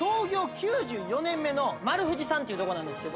９４年目の丸藤さんというとこなんですけど